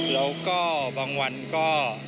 แล้วก็บางวันก็